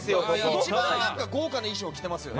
一番豪華な衣装着てますね。